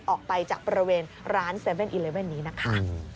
ออกไปจากบริเวณร้าน๗๑๑นี้นะคะ